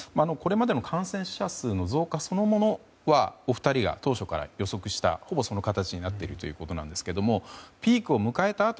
これまでの感染者数の増加そのものはお二人が当初から予測した、ほぼその形になっているということですがピークを迎えた